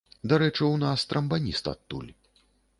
Дарэчы, у нас трамбаніст адтуль.